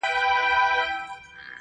سنتيز نوی وجود ندی